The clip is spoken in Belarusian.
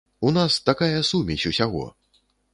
У нас такая сумесь усяго!